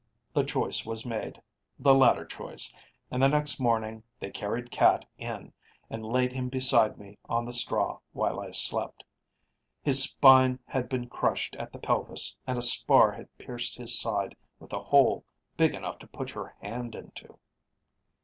The choice was made, the latter choice, and the next morning they carried Cat in and laid him beside me on the straw while I slept. His spine had been crushed at the pelvis and a spar had pierced his side with a hole big enough to put your hand into.